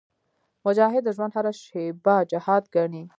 مجاهد د ژوند هره شېبه جهاد ګڼي.